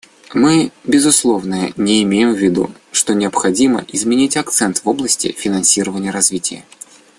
Мы, безусловно, не имеем в виду, что необходимо изменить акцент в области финансирования развития.